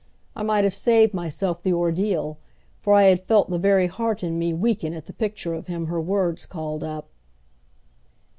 I might have saved myself the ordeal; for I had felt the very heart in me weaken at the picture of him her words called up.